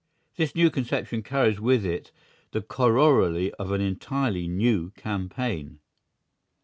This new conception carries with it the corollary of an entirely new campaign.